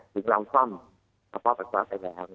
ถึงท่อประหวาส์ไปแล้ว